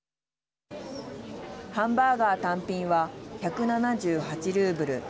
ハンバーガー単品は１７８ルーブル。